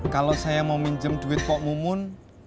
kalau saya mau minjem duit pak mumun